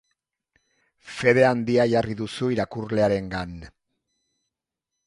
Fede handia jarri duzu irakurlearengan.